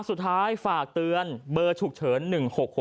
สุดท้ายฝากเตือนเบอร์ฉุกเฉิน๑๖๖